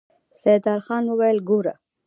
سيدال خان وويل: ګوره!